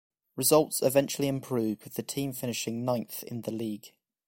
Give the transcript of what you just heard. Results eventually improved with the team finishing ninth in the league.